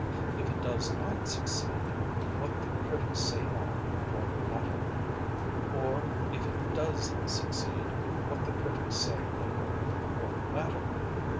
If it does not succeed, what the critics say now wonÆt matter. Or if it does succeed, what the critics say now wonÆt matter.